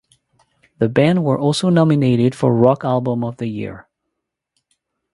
The band were also nominated for Rock Album of the Year.